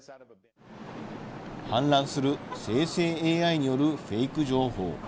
氾濫する生成ＡＩによるフェイク情報。